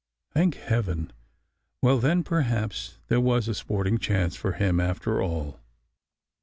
Thank heaven! Well, then, per haps there was a sporting chance for him after all!